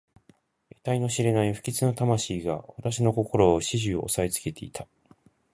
えたいの知れない不吉な魂が私の心を始終おさえつけていた。